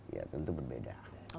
ya tentu berbeda